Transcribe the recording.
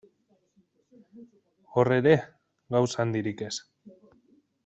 Hor ere, gauza handirik ez.